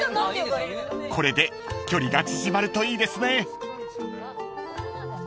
［これで距離が縮まるといいですね］